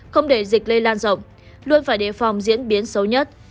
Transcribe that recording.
không để dịch lây lan rộng luôn phải đề phòng diễn biến xấu nhất